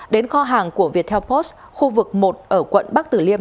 đến kho hàng của viettel post khu vực một ở quận bắc tử liêm